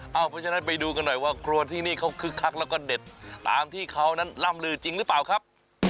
เพราะฉะนั้นไปดูกันหน่อยว่าครัวที่นี่เขาคึกคักแล้วก็เด็ดตามที่เขานั้นล่ำลือจริงหรือเปล่าครับ